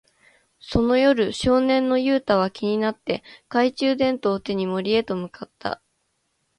その夜、少年のユウタは気になって、懐中電灯を手に森へと向かった。